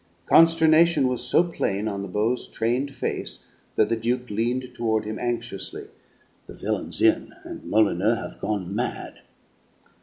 Consternation was so plain on the Beau's trained face that the Duke leaned toward him anxiously. "The villain's in, and Molyneux hath gone mad!"